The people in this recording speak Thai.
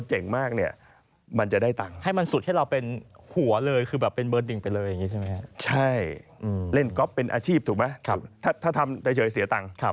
โหพ่อแม่เสียใจติดเกมดีไม่ใช่